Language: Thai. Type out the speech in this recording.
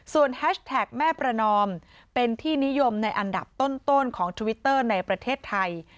แฮชแท็กแม่ประนอมเป็นที่นิยมในอันดับต้นของทวิตเตอร์ในประเทศไทย